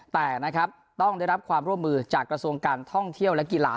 แต่นะครับต้องได้รับความร่วมมือจากกระทรวงการท่องเที่ยวและกีฬา